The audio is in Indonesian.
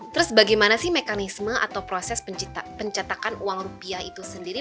terus bagaimana sih mekanisme atau proses pencetakan uang rupiah itu sendiri